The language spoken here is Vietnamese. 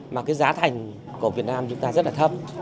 mà cái giá thành của việt nam chúng ta rất là thấp